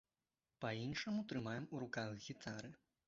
Па-іншаму трымаем у руках гітары.